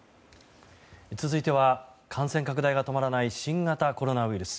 続いては感染拡大が止まらない新型コロナウイルス。